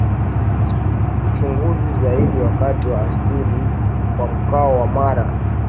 Ukichunguza zaidi wakazi wa asili wa Mkoa wa Mara